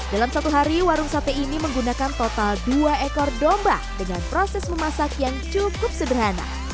hari hari warung sate ini menggunakan total dua ekor domba dengan proses memasak yang cukup sederhana